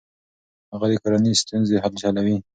هغه د کورنۍ ستونزې حلوي.